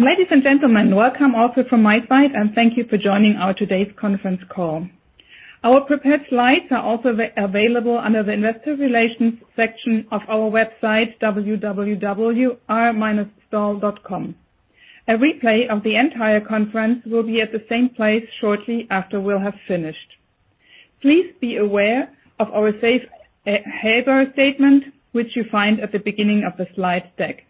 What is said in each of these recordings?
Ladies and gentlemen, welcome also from my side, and thank you for joining our today's conference call. Our prepared slides are also available under the Investor Relations section of our website, www.r-stahl.com. A replay of the entire conference will be at the same place shortly after we'll have finished. Please be aware of our safe harbor statement, which you find at the beginning of the slide deck.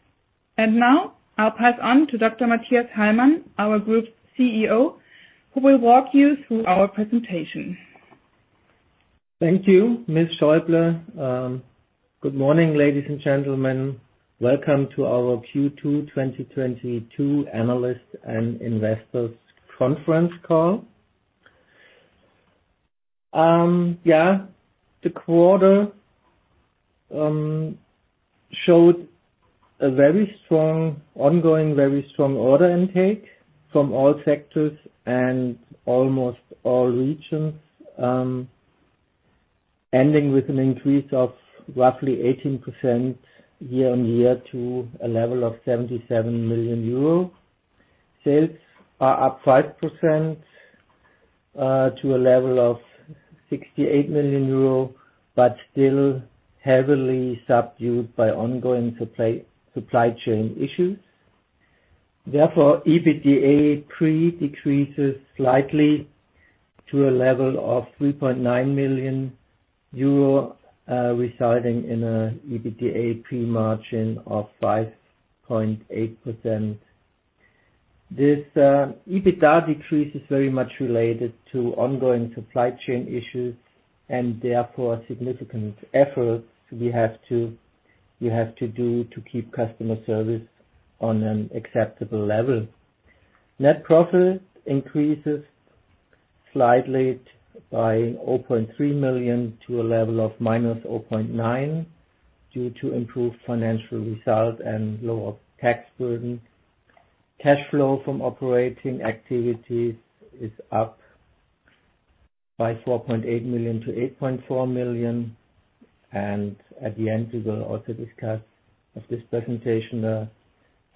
Now, I'll pass on to Dr. Mathias Hallmann, our Group CEO, who will walk you through our presentation. Thank you, Judith Schäuble. Good morning, ladies and gentlemen. Welcome to our Q2 2022 analyst and investors conference call. The quarter showed a very strong, ongoing, very strong order intake from all sectors and almost all regions, ending with an increase of roughly 18% year-on-year to a level of 77 million euro. Sales are up 5%, to a level of 68 million euro, but still heavily subdued by ongoing supply chain issues. Therefore, EBITDA pre decreases slightly to a level of 3.9 million euro, resulting in a EBITDA pre-margin of 5.8%. This EBITDA decrease is very much related to ongoing supply chain issues, and therefore, significant efforts we have to do to keep customer service on an acceptable level. Net profit increases slightly by 0.3 million to a level of -0.9 million due to improved financial result and lower tax burden. Cash flow from operating activities is up by 4.8 million to 8.4 million. At the end of this presentation, we will also discuss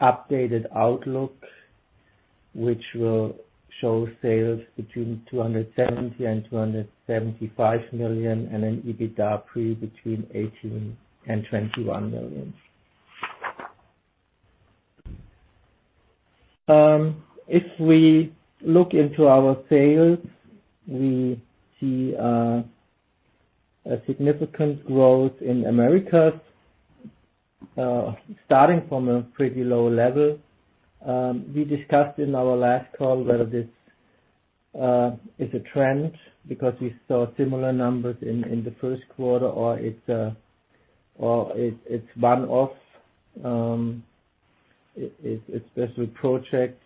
updated outlook, which will show sales between 270 million and 275 million, and an EBITDA pre between 18 million and 21 million. If we look into our sales, we see a significant growth in Americas starting from a pretty low level. We discussed in our last call whether this is a trend because we saw similar numbers in the first quarter, or it's one-off, especially projects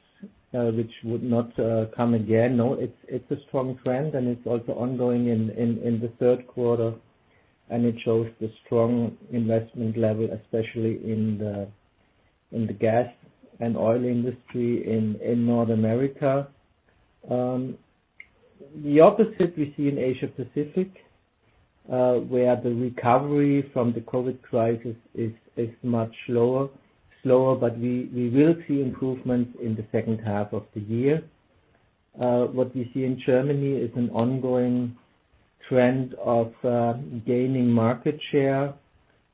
which would not come again. No, it's a strong trend, and it's also ongoing in the third quarter, and it shows the strong investment level, especially in the gas and oil industry in North America. The opposite we see in Asia Pacific, where the recovery from the COVID crisis is much slower, but we will see improvements in the second half of the year. What we see in Germany is an ongoing trend of gaining market share,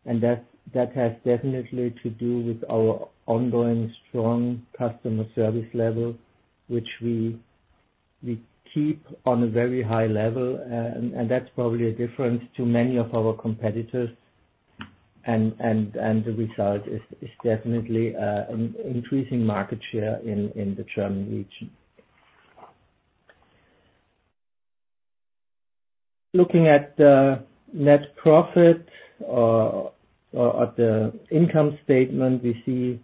and that has definitely to do with our ongoing strong customer service level, which we keep on a very high level. That's probably a difference to many of our competitors. The result is definitely an increasing market share in the German region. Looking at the net profit, or at the income statement, we see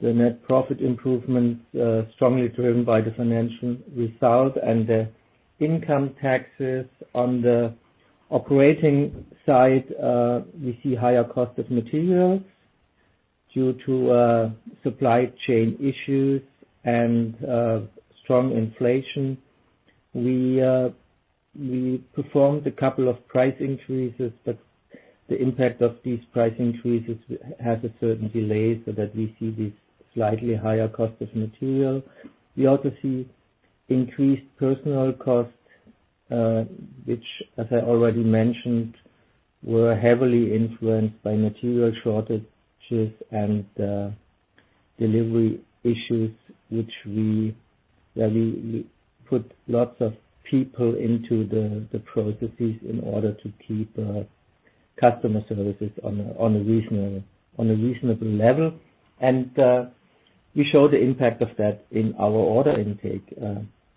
the net profit improvement, strongly driven by the financial result and the income taxes. On the operating side, we see higher cost of materials due to supply chain issues and strong inflation. We performed a couple of price increases, but the impact of these price increases has a certain delay, so that we see these slightly higher cost of material. We also see increased personnel costs, which as I already mentioned, were heavily influenced by material shortages and delivery issues, which we put lots of people into the processes in order to keep customer services on a reasonable level.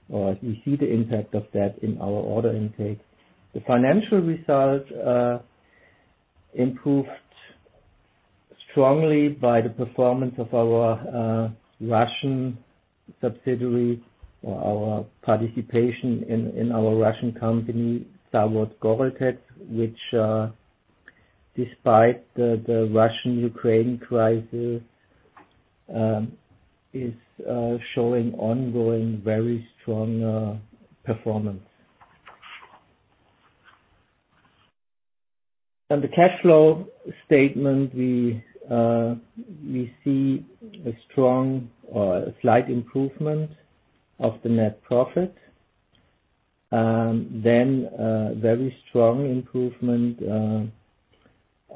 We see the impact of that in our order intake. The financial result improved strongly by the performance of our participation in our Russian company, Zavod Goreltex, which despite the Russian-Ukraine crisis is showing ongoing very strong performance. On the cash flow statement, we see a strong slight improvement of the net profit. A very strong improvement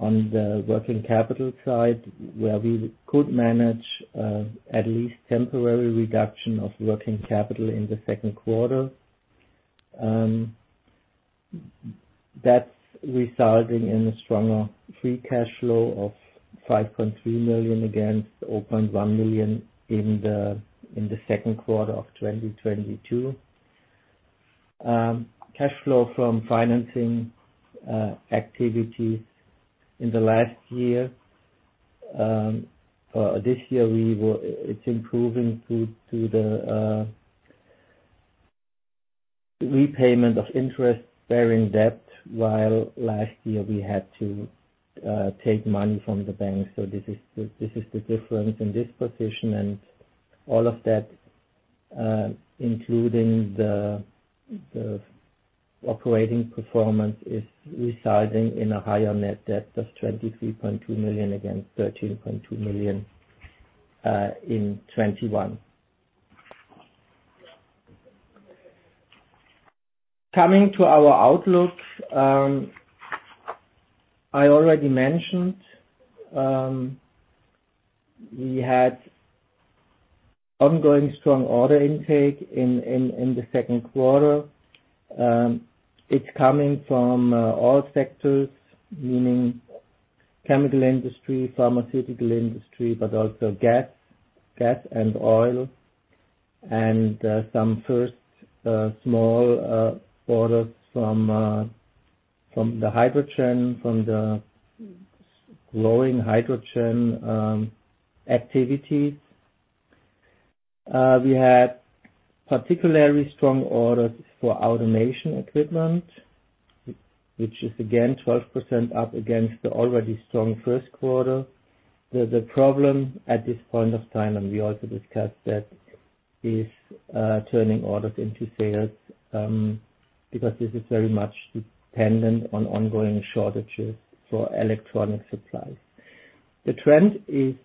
on the working capital side, where we could manage at least temporary reduction of working capital in the second quarter. That's resulting in a stronger free cash flow of 5.3 million against 0.1 million in the second quarter of 2022. Cash flow from financing activity in the last year. This year it's improving due to the repayment of interest bearing debt, while last year we had to take money from the bank. This is the difference in this position and all of that, including the operating performance, is resulting in a higher net debt of 23.2 million against 13.2 million in 2021. Coming to our outlook, I already mentioned we had ongoing strong order intake in the second quarter. It's coming from all sectors, meaning chemical industry, pharmaceutical industry, but also gas and oil. Some first small orders from the hydrogen, from the growing hydrogen activities. We had particularly strong orders for automation equipment, which is again 12% up against the already strong first quarter. The problem at this point of time, and we also discussed that, is turning orders into sales, because this is very much dependent on ongoing shortages for electronic supplies. The trend is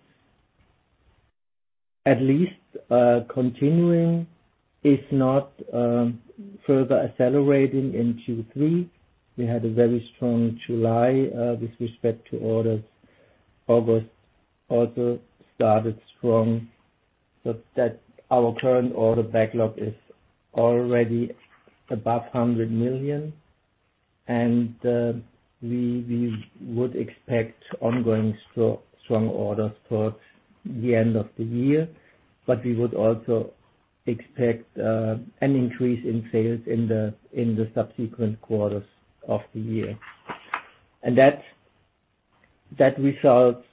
at least continuing, if not further accelerating in Q3. We had a very strong July with respect to orders. August also started strong, but our current order backlog is already above 100 million. We would expect ongoing strong orders towards the end of the year. We would also expect an increase in sales in the subsequent quarters of the year. That results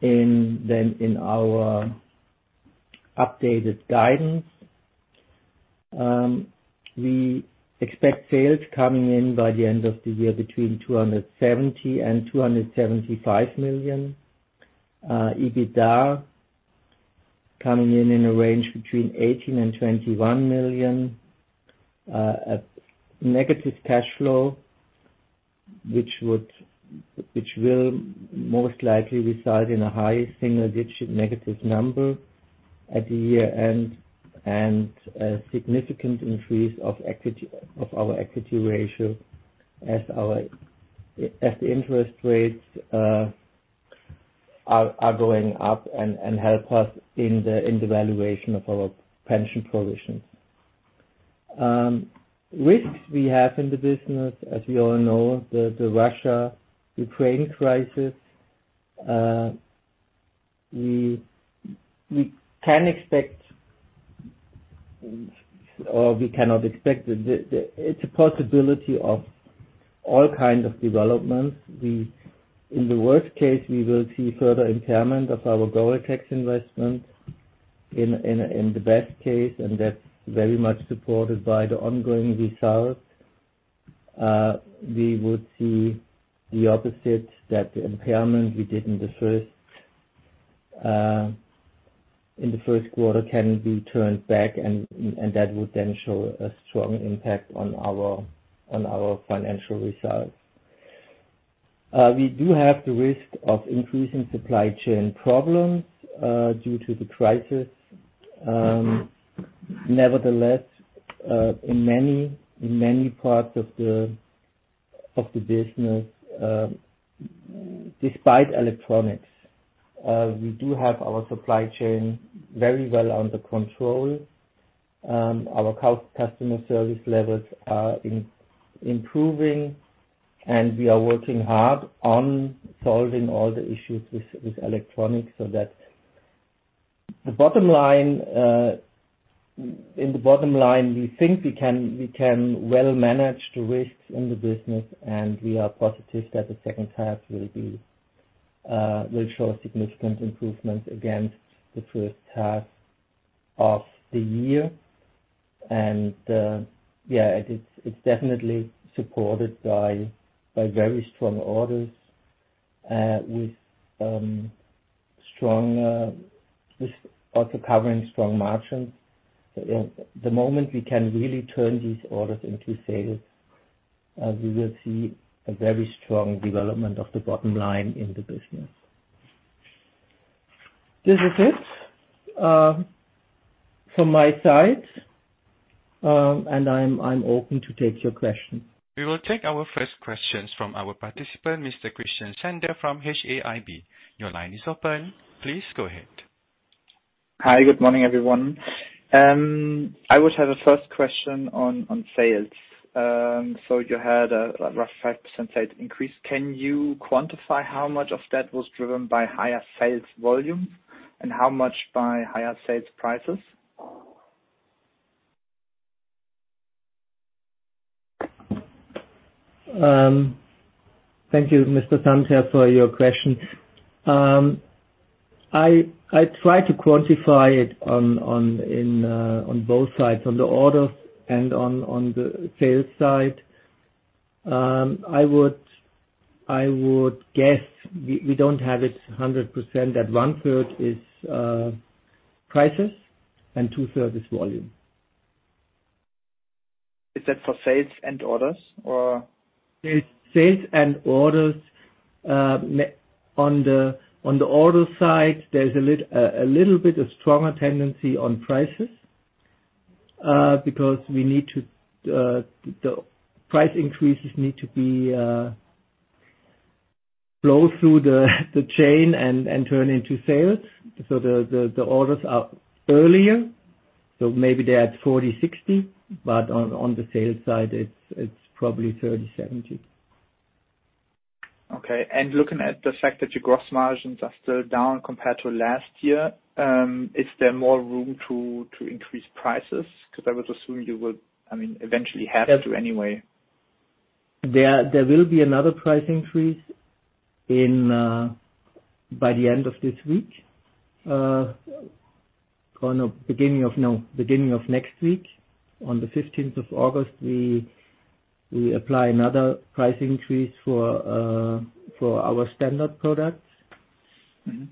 in our updated guidance. We expect sales coming in by the end of the year between 270 million and 275 million. EBITDA coming in a range between 18 million and 21 million. A negative cash flow, which will most likely result in a high single digit negative number at the year-end. A significant increase of our equity ratio as the interest rates are going up and help us in the valuation of our pension provisions. Risks we have in the business, as we all know, the Russia-Ukraine crisis. We can expect or we cannot expect it. It's a possibility of all kinds of developments. In the worst case, we will see further impairment of our Goreltex investments. In the best case, and that's very much supported by the ongoing results, we would see the opposite, that the impairment we did in the first quarter can be turned back and that would then show a strong impact on our financial results. We do have the risk of increasing supply chain problems due to the crisis. Nevertheless, in many parts of the business, despite electronics, we do have our supply chain very well under control. Our customer service levels are improving, and we are working hard on solving all the issues with electronics so that the bottom line, we think we can well manage the risks in the business, and we are positive that the second half will show a significant improvement against the first half of the year. Yeah, it's definitely supported by very strong orders with strong margins. Yeah, the moment we can really turn these orders into sales, we will see a very strong development of the bottom line in the business. This is it from my side, and I'm open to take your question. We will take our first questions from our participant, Mr. Christian Sandler from Hauck & Aufhäuser. Your line is open. Please go ahead. Hi, good morning, everyone. I would have a first question on sales. You had a rough 5% sales increase. Can you quantify how much of that was driven by higher sales volume, and how much by higher sales prices? Thank you, Mr. Sandler, for your question. I tried to quantify it on both sides, on the orders and on the sales side. I would guess we don't have it 100%, that one third is prices and two thirds is volume. Is that for sales and orders, or? Sales and orders. On the order side, there's a little bit of stronger tendency on prices, because the price increases need to flow through the chain and turn into sales. The orders are earlier, so maybe they're at 40/60, but on the sales side, it's probably 30/70. Okay. Looking at the fact that your gross margins are still down compared to last year, is there more room to increase prices? Because I would assume you will, I mean, eventually have to anyway. There will be another price increase by the beginning of next week. On the fifteenth of August, we apply another price increase for our standard products. Mm-hmm.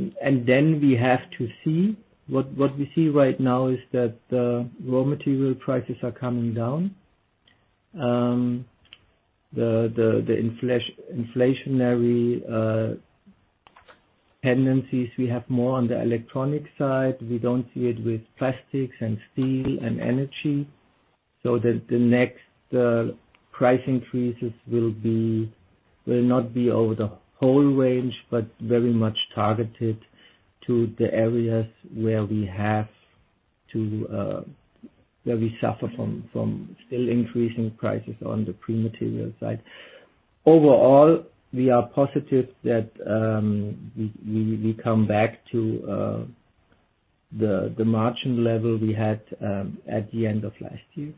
We have to see. What we see right now is that the raw material prices are coming down. The inflationary tendencies we have more on the electronic side. We don't see it with plastics and steel and energy. The next price increases will not be over the whole range, but very much targeted to the areas where we suffer from still increasing prices on the raw material side. Overall, we are positive that we come back to the margin level we had at the end of last year.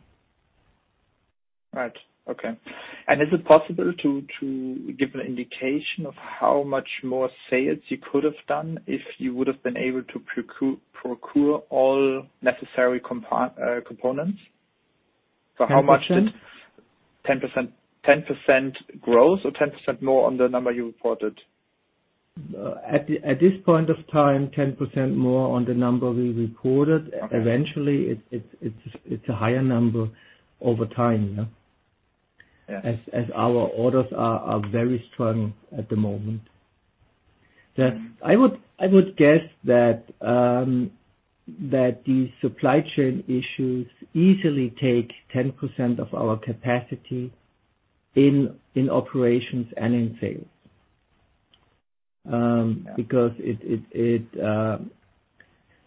Right. Okay. Is it possible to give an indication of how much more sales you could have done if you would've been able to procure all necessary components? 10%. How much did 10% growth or 10% more on the number you reported? At this point of time, 10% more on the number we reported. Okay. Eventually, it's a higher number over time, yeah. Yeah. As our orders are very strong at the moment. I would guess that these supply chain issues easily take 10% of our capacity in operations and in sales. Yeah. Because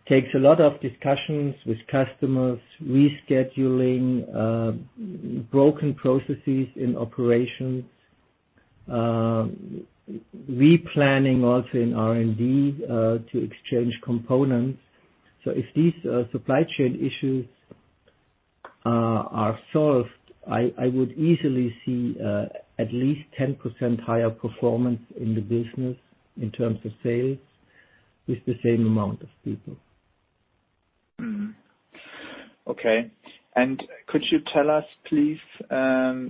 it takes a lot of discussions with customers, rescheduling, broken processes in operations, replanning also in R&D, to exchange components. If these supply chain issues are solved, I would easily see at least 10% higher performance in the business in terms of sales with the same amount of people. Okay. Could you tell us, please,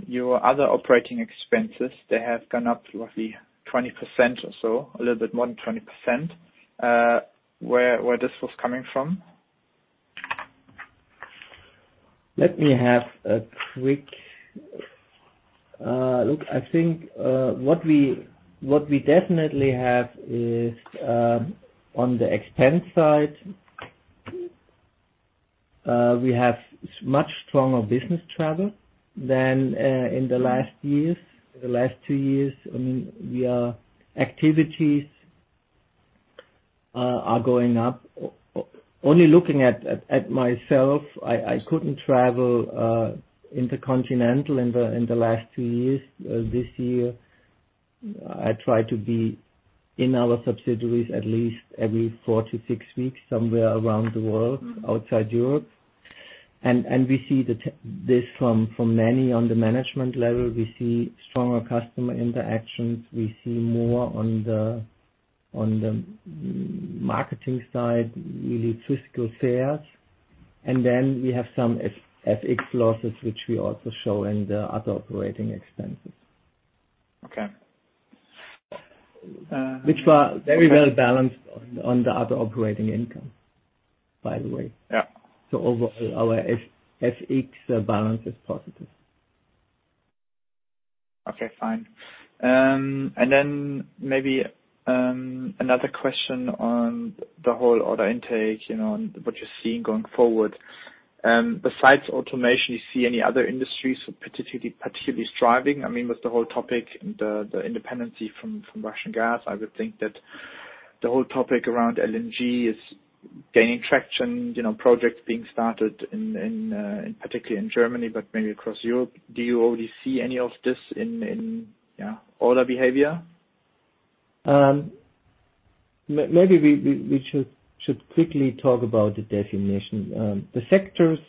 your other operating expenses. They have gone up roughly 20% or so, a little bit more than 20%, where this was coming from? Let me have a quick look. I think what we definitely have is on the expense side we have much stronger business travel than in the last years, the last two years. I mean, activities are going up. Only looking at myself, I couldn't travel intercontinental in the last two years. This year, I try to be in our subsidiaries at least every four to six weeks, somewhere around the world, outside Europe. We see this from many on the management level. We see stronger customer interactions. We see more on the marketing side, really physical sales. We have some FX losses, which we also show in the other operating expenses. Okay. Which were very well balanced on the other operating income, by the way. Yeah. Overall, our FX balance is positive. Okay, fine. Maybe another question on the whole order intake, you know, and what you're seeing going forward. Besides automation, you see any other industries particularly thriving? I mean, with the whole topic, the independence from Russian gas, I would think that the whole topic around LNG is gaining traction. You know, projects being started particularly in Germany but mainly across Europe. Do you already see any of this in order behavior? Maybe we should quickly talk about the definition. The sectors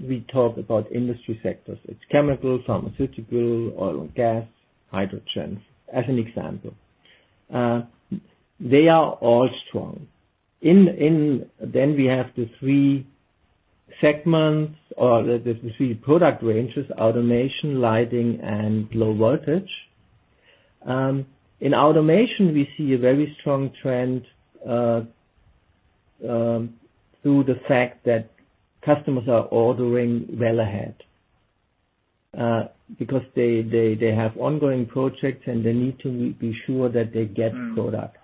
we talk about, industry sectors. It's chemical, pharmaceutical, oil and gas, hydrogen, as an example. They are all strong. We have the three segments or the three product ranges, automation, lighting and low voltage. In automation we see a very strong trend through the fact that customers are ordering well ahead because they have ongoing projects and they need to be sure that they get products.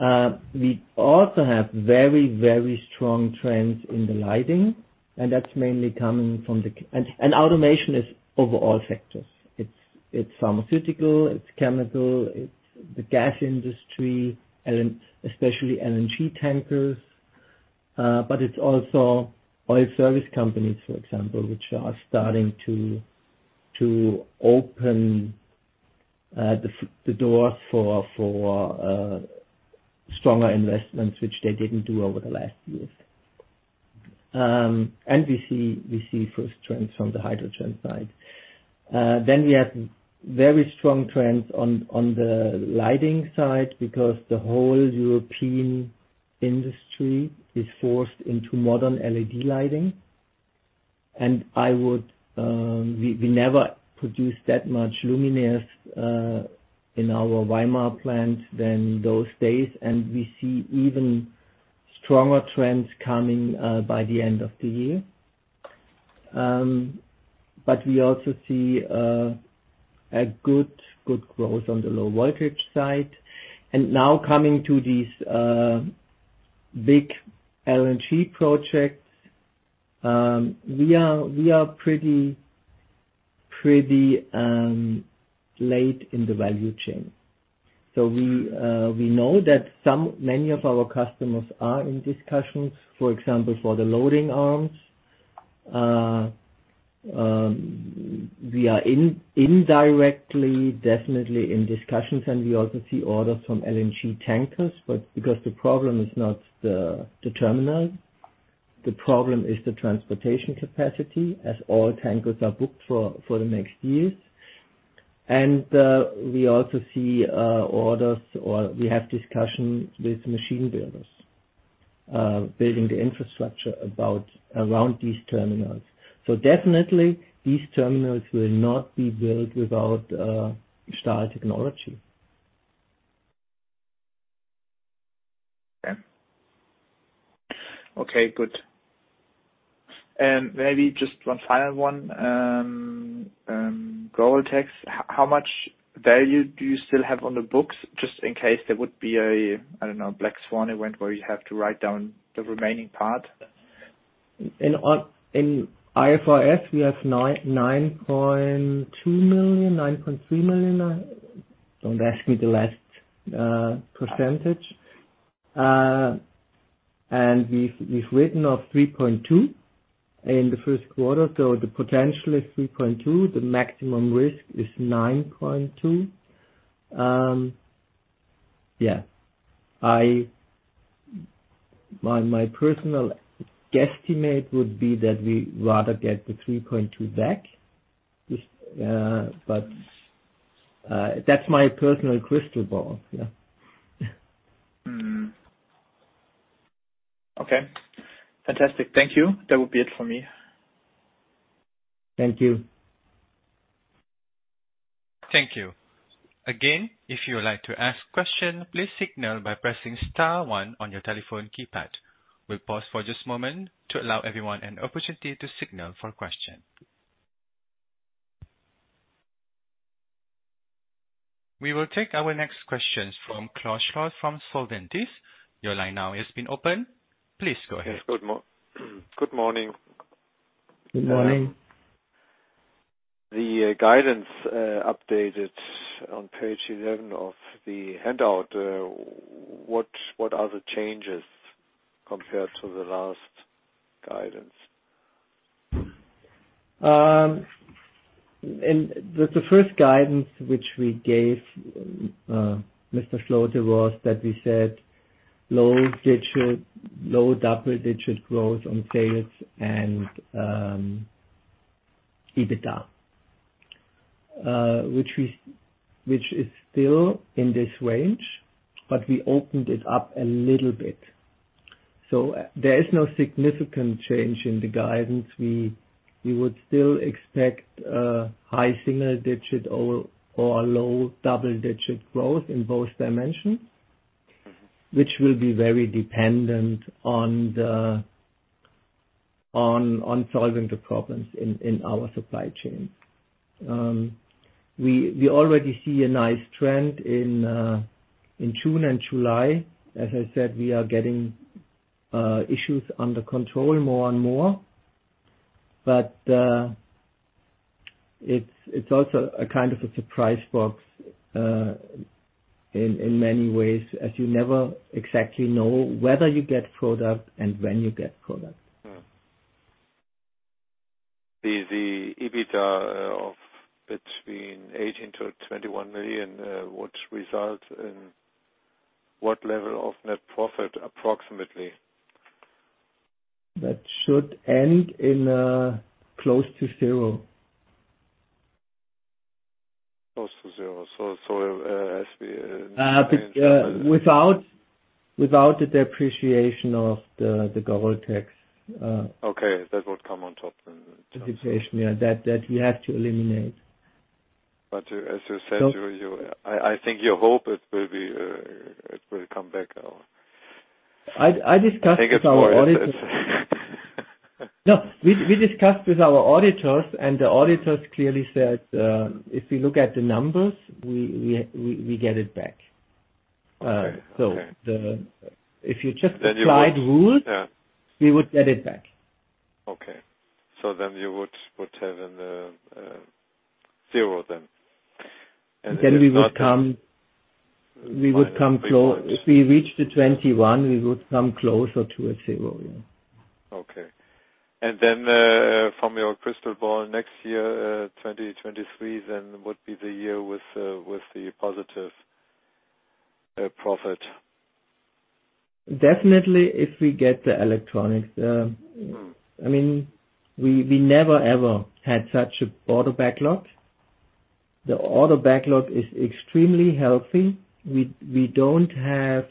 Mm. We also have very strong trends in the lighting and automation sectors overall. It's pharmaceutical, it's chemical, it's the gas industry and especially LNG tankers. It's also oil service companies, for example, which are starting to open the door for stronger investments, which they didn't do over the last years. We see first trends from the hydrogen side. We have very strong trends on the lighting side because the whole European industry is forced into modern LED lighting. We never produced that much luminaire in our Weimar plant than those days, and we see even stronger trends coming by the end of the year. We also see a good growth on the low voltage side. Now coming to these big LNG projects, we are pretty late in the value chain. We know that many of our customers are in discussions, for example, for the loading arms. We are indirectly definitely in discussions and we also see orders from LNG tankers, but because the problem is not the terminal, the problem is the transportation capacity as all tankers are booked for the next years. We also see orders or we have discussions with machine builders building the infrastructure around these terminals. These terminals will definitely not be built without R. STAHL technology. Maybe just one final one. Zavod Goreltex, how much value do you still have on the books just in case there would be a, I don't know, black swan event where you have to write down the remaining part? In IFRS, we have 9.2 million, 9.3 million. Don't ask me the last percentage. We've written off 3.2 million in the first quarter. The potential is 3.2 million, the maximum risk is 9.2 million. Yeah. My personal guesstimate would be that we rather get the 3.2 million back. But that's my personal crystal ball. Yeah. Okay. Fantastic. Thank you. That would be it for me. Thank you. Thank you. Again, if you would like to ask question, please signal by pressing star one on your telephone keypad. We'll pause for just a moment to allow everyone an opportunity to signal for question. We will take our next questions from Klaus Schlote from Solventis. Your line now has been opened. Please go ahead. Yes. Good morning. Good morning. The guidance updated on page 11 of the handout, what are the changes compared to the last guidance? In the first guidance which we gave, Mr. Schlote was that we said low single digit, low double digit growth on sales and EBITDA, which is still in this range, but we opened it up a little bit. There is no significant change in the guidance. We would still expect high single digit or a low double digit growth in both dimensions. Mm-hmm. Which will be very dependent on solving the problems in our supply chain. We already see a nice trend in June and July. As I said, we are getting issues under control more and more. It's also a kind of a surprise box in many ways, as you never exactly know whether you get product and when you get product. The EBITDA of between 18-21 million would result in what level of net profit, approximately? That should end in close to zero. Close to zero. As we Without the depreciation of the Goreltex. Okay. That would come on top then. Depreciation, yeah. That we have to eliminate. As you said, I think you hope it will be, it will come back. We discussed with our auditors, and the auditors clearly said, if we look at the numbers, we get it back. Okay, okay. If you just applied rules. Yeah. We would get it back. Okay. You would have a zero then. If we reach the 21, we would come closer to a 0, yeah. Okay. From your crystal ball next year, 2023 then would be the year with the positive profit. Definitely if we get the electronics. I mean, we never, ever had such an order backlog. The order backlog is extremely healthy. We don't have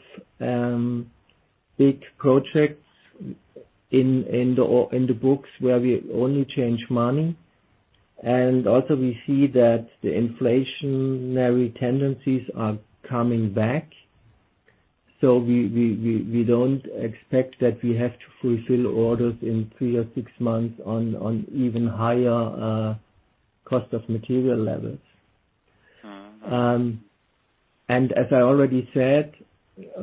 big projects in the books where we only churn money. We see that the inflationary tendencies are coming back. We don't expect that we have to fulfill orders in three or six months on even higher cost of material levels. Mm-hmm. As I already said,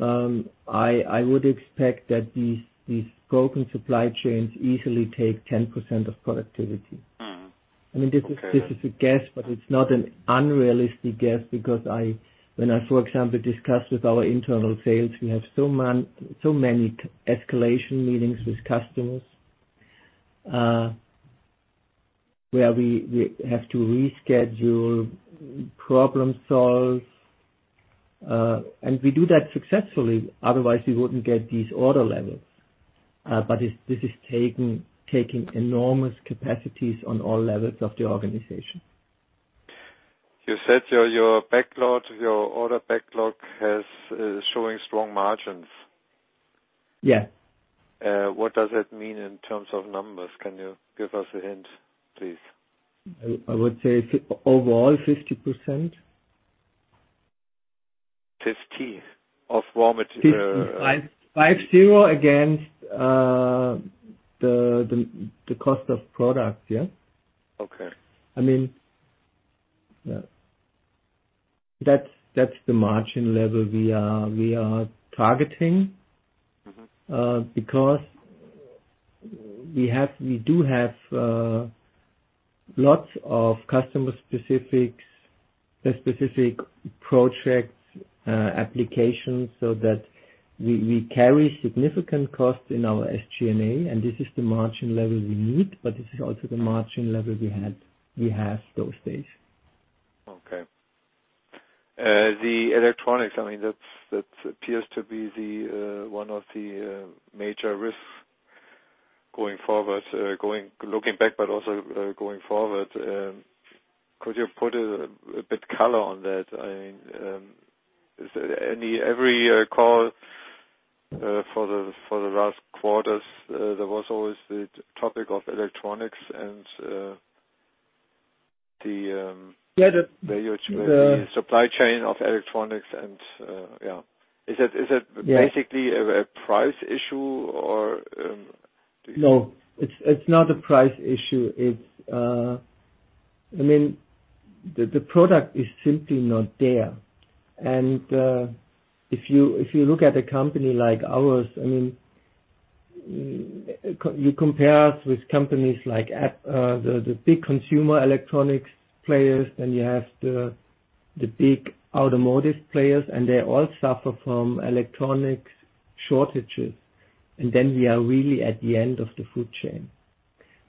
I would expect that these broken supply chains easily take 10% of productivity. Okay. I mean, this is a guess, but it's not an unrealistic guess because when I, for example, discussed with our internal sales, we have so many escalation meetings with customers, where we have to reschedule, problem solve, and we do that successfully. Otherwise, we wouldn't get these order levels. This is taking enormous capacities on all levels of the organization. You said your backlog, your order backlog is showing strong margins. Yeah. What does that mean in terms of numbers? Can you give us a hint, please? I would say for overall 50%. Fifty? Of raw mater- Uh- 550 against the cost of product. Yeah. Okay. I mean, yeah. That's the margin level we are targeting. Mm-hmm. Because we do have lots of customer specifics, specific projects, applications, so that we carry significant costs in our SG&A, and this is the margin level we need, but this is also the margin level we have those days. Okay. The electronics, I mean, that appears to be one of the major risks going forward. Looking back, but also going forward. Could you put a bit of color on that? I mean, every call for the last quarters there was always the topic of electronics and the Yeah. The supply chain of electronics and yeah. Is that? Yeah. basically a price issue or. No, it's not a price issue. It's I mean, the product is simply not there. If you look at a company like ours, I mean, you compare us with companies like the big consumer electronics players, then you have the big automotive players, and they all suffer from electronics shortages. We are really at the end of the food chain.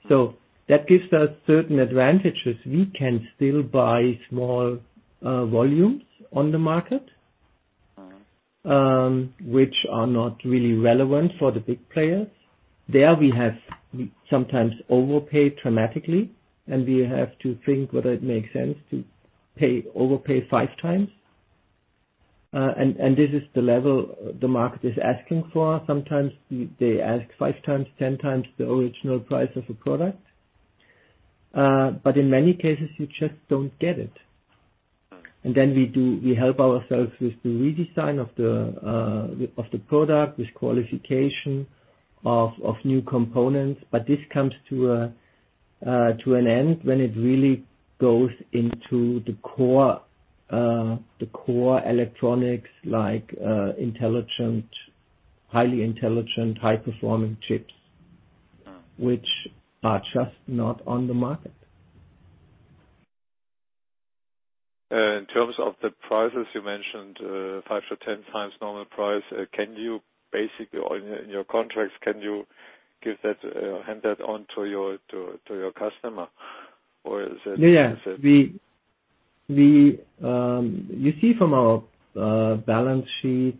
That gives us certain advantages. We can still buy small volumes on the market which are not really relevant for the big players. There we have sometimes overpaid dramatically, and we have to think whether it makes sense to overpay 5x. This is the level the market is asking for. Sometimes they ask 5x, 10x the original price of a product. In many cases, you just don't get it. Then we help ourselves with the redesign of the product, with qualification of new components. This comes to an end when it really goes into the core electronics like highly intelligent, high-performing chips, which are just not on the market. In terms of the prices you mentioned, 5-10 times normal price, can you basically, or in your contracts, can you pass that on to your customer? Or is it? Yeah. You see from our balance sheets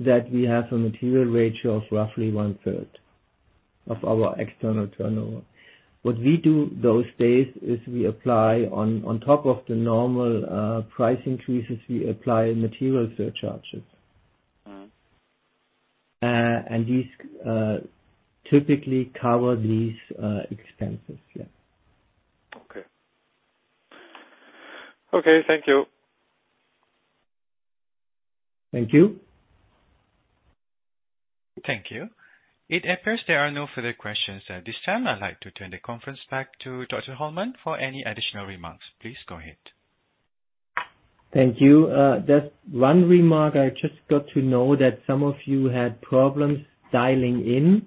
that we have a material ratio of roughly 1/3 of our external turnover. What we do those days is we apply on top of the normal price increases, we apply material surcharges. Mm-hmm. These typically cover these expenses. Yeah. Okay. Okay, thank you. Thank you. Thank you. It appears there are no further questions at this time. I'd like to turn the conference back to Dr. Hallmann for any additional remarks. Please go ahead. Thank you. Just one remark. I just got to know that some of you had problems dialing in.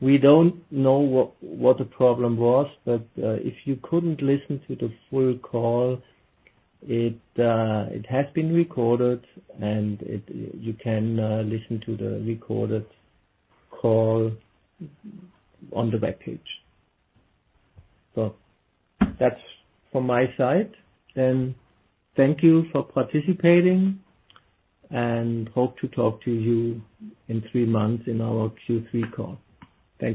We don't know what the problem was, but if you couldn't listen to the full call, it has been recorded, and you can listen to the recorded call on the back page. So that's from my side, and thank you for participating, and hope to talk to you in three months in our Q3 call. Thank you.